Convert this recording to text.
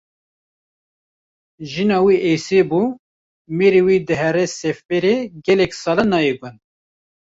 Jina wî Esê bû, mêrê wê dihere seferê gelek sala nayê gund